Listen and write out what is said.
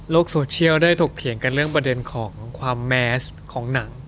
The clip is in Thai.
โซเชียลได้ถกเถียงกันเรื่องประเด็นของความแมสของหนัง